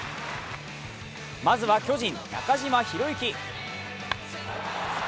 まずは巨人・中島宏之。